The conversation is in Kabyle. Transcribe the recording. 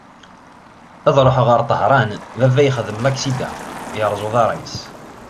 Ad ruḥeɣ ɣer Tahran, baba yexdem laksida, yerreẓ uḍar-is.